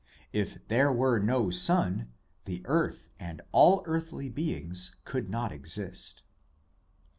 But if there were no sun, the earth and all earthly beings could not exist.